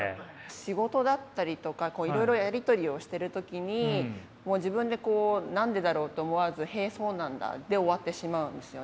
仕事だったりとかいろいろやり取りをしてる時に自分でこう「何でだろう」と思わず「へえそうなんだ」で終わってしまうんですよね。